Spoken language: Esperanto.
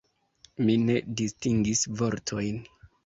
Mi ne distingis vortojn.